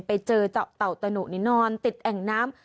ไปเจอเต่าตนุนี้นอนติดแอ่งน้ำ